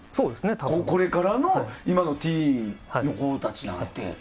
これからの今のティーンの子たちなんて。